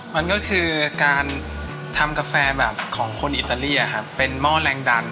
มันก็คือการทำกาแฟแบบของคนอิตาลีเป็นหม้อแรงดัน